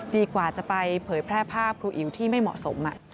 กว่าจะไปเผยแพร่ภาพครูอิ๋วที่ไม่เหมาะสม